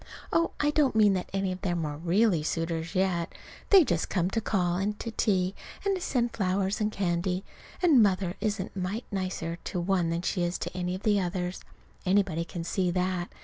Oh, I don't mean that any of them are really suitors yet. They just come to call and to tea, and send her flowers and candy. And Mother isn't a mite nicer to one than she is to any of the others. Anybody can see that.